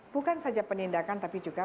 bukan saja penindakan tapi juga